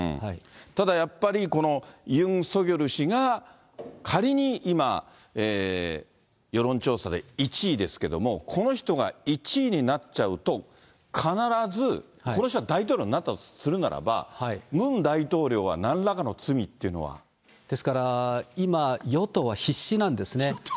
ただやっぱり、ユン・ソギョル氏が仮に今、世論調査で１位ですけれども、この人が１位になっちゃうと、必ず、この人が大統領になったとするならば、ムン大統領はなんらかの罪ですから今、与党は必死なんですね。